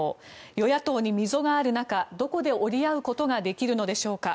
与野党に溝がある中どこで折り合うことができるのでしょうか。